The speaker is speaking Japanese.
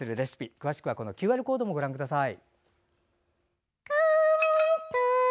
詳しくはＱＲコードをご覧ください。